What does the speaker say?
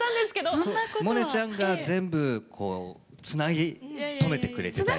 萌音ちゃんが全部つなぎ止めてくれてたり。